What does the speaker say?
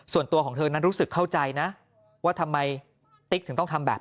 ส่วนตัวของเท่านั้นรู้สึกเข้าใจนะว่าทำไมจริงถ้าบ้างแบบ